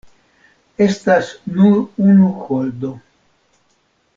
Estas nur unu holdo.